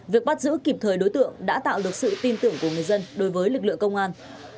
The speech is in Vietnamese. việc bắt giữ kịp thời đối tượng đã tạo được sự tin tưởng của người dân đối với lực lượng công an